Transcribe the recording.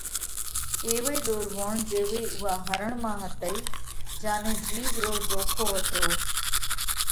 ايوئِي ۮورووڻ جيوَئي اُوئا هرڻ مانه هتئِي، جيا نئہ جِيوَ رو زوکو هتو۔